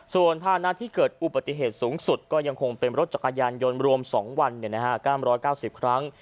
ส่วนภานะที่เกิดอุบัติเหตุสูงสุดก็ยังคงเป็นรถจักรยานยนต์รวม๒วัน๙๙๐ครั้ง